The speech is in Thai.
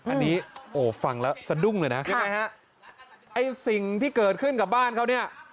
อันนี้โอ้ฟังแล้วสะดุ้งเลยนะยังไงฮะไอ้สิ่งที่เกิดขึ้นกับบ้านเขาเนี่ย